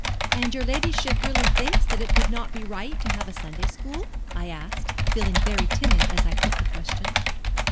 "And your ladyship really thinks that it would not be right to have a Sunday school?" I asked, feeling very timid as I put time question.